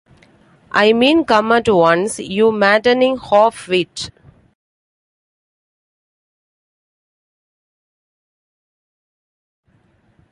I mean come at once, you maddening half-wit.